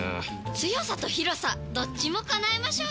強さと広さどっちも叶えましょうよ！